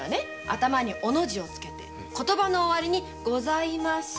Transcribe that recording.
頭に「お」をつけて終わりに「ございます」